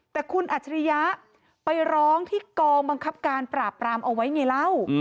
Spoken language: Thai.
แต่คุณอัจฉริยะไปร้องที่กองบังคับการปราบปรามเอาไว้ไงเล่า